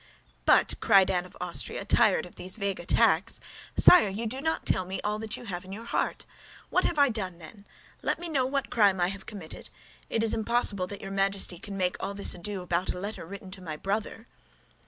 "But," cried Anne of Austria, tired of these vague attacks, "but, sire, you do not tell me all that you have in your heart. What have I done, then? Let me know what crime I have committed. It is impossible that your Majesty can make all this ado about a letter written to my brother."